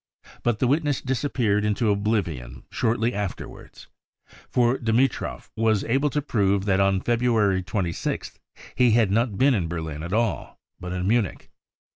But the witness disappeared into oblivion shortly afterwards : for Dimitrov was able to prove that on February 26th he had not been in Berlin at all, but in Munich.